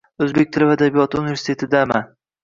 O‘zbek tili va adabiyoti universitetidaman.